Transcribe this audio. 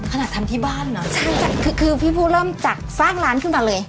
ขนาดทำที่บ้านเนอะใช่คือคือพี่ผู้เริ่มจากสร้างร้านขึ้นมาเลย